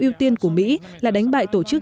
ưu tiên của mỹ là đánh bại tổ chức